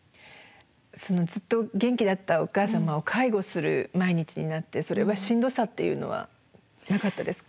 そのずっと元気だったお母様を介護する毎日になってそれはしんどさっていうのはなかったですか？